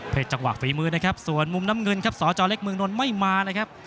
จังหวะฝีมือนะครับส่วนมุมน้ำเงินครับสจเล็กเมืองนนท์ไม่มานะครับ